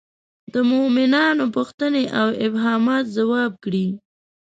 د مومنانو پوښتنې او ابهامات ځواب کړي.